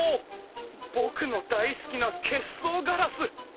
僕の大好きな結霜ガラス！